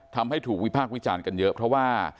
ทำให้ถูกวิพากษ์วิจารณ์กันเยอะเพราะว่า